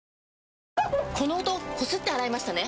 この音こすって洗いましたね？